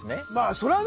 それはね。